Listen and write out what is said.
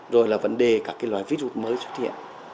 rồi là vấn đề các cái loại virus mới xuất hiện